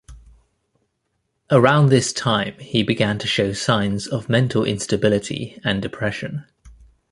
Around this time he began to show signs of mental instability and depression.